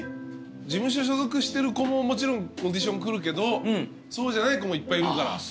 事務所所属してる子ももちろんオーディション来るけどそうじゃない子もいっぱいいるから。